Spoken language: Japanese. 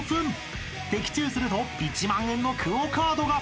［的中すると１万円のＱＵＯカードが］